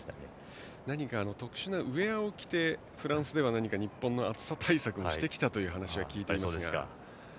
何か特殊なウエアを着てフランスでは日本の暑さ対策をしたという話を聞いています。